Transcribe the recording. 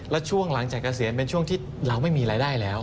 แล้วช่วงหลังจากเกษียณเป็นช่วงที่เราไม่มีรายได้แล้ว